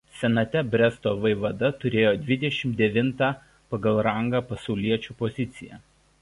Senate Bresto vaivada turėjo dvidešimt devintą pagal rangą pasauliečių poziciją.